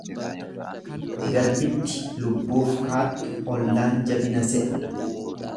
Gabritti lubbuuf kaattu ollaan jabina se'a.